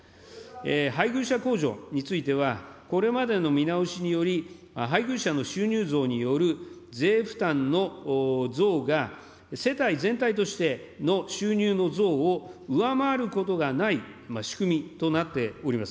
配偶者控除については、これまでの見直しにより、配偶者の収入増による税負担の増が世帯全体としての収入の増を上回ることがない仕組みとなっております。